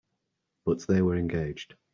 But they were engaged.